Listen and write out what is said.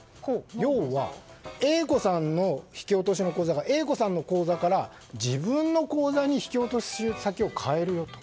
要は、Ａ子さんの引き落としの口座がＡ子さんの口座から自分の口座に引き落とし先を変えるよと。